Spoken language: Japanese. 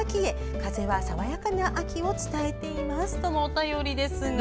風は爽やかな秋を伝えていますとのお便りですが。